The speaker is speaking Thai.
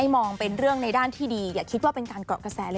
มองเป็นเรื่องในด้านที่ดีอย่าคิดว่าเป็นการเกาะกระแสเลย